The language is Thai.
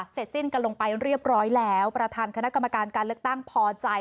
เสร็จสิ้นกันลงไปเรียบร้อยแล้วประธานคณะกรรมการการเลือกตั้งพอใจ